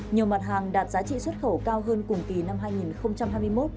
nhiều mặt hàng đạt giá trị xuất khẩu cao hơn cùng kỳ năm hai nghìn hai mươi một